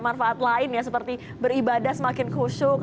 manfaat lain ya seperti beribadah semakin kusyuk